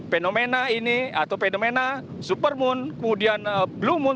fenomena ini atau fenomena supermoon kemudian blue moon